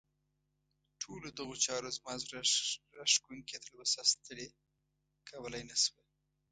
ټولو دغو چارو زما زړه راښکونکې تلوسه ستړې کولای نه شوه.